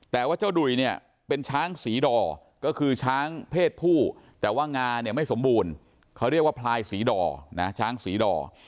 แต่ว่าเจ้าดุ่ยเนี่ยเป็นช้างศรีดอก็คือช้างเพศผู้แต่ว่างาเนี่ยไม่สมบูรณ์เขาเรียกว่าพลายศรีดอนะช้างศรีดอ